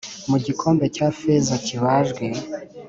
mu gikombe cya feza kibajwe,